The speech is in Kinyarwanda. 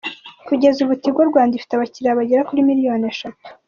Kugeza ubu Tigo Rwanda ifite abakiriya bagera kuri miliyoni eshatu.